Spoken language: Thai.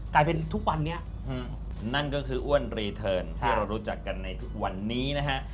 กลายเป็นทุกวันนี้นั่นก็คืออ้วนรีเทิร์นที่เรารู้จักกันในทุกวันนี้นะฮะ